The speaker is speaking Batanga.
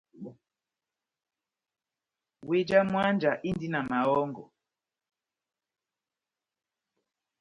Wéh já mwánja indi na mahɔ́ngɔ.